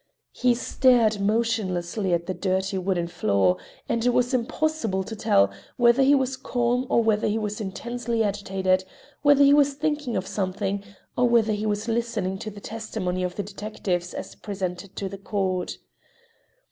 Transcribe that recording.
He stared motionlessly at the dirty wooden floor, and it was impossible to tell whether he was calm or whether he was intensely agitated, whether he was thinking of something, or whether he was listening to the testimony of the detectives as presented to the court.